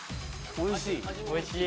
・おいしい？